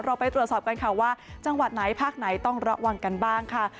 เราไปตรวจสอบกันค่ะว่าจังหวัดไหนภาคไหนต้องระวังกันบ้างค่ะ